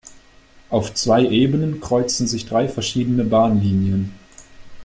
Auf zwei Ebenen kreuzen sich drei verschiedene Bahnlinien.